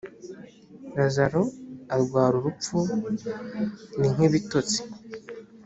lazaro arwara urupfu ni nk ibitotsi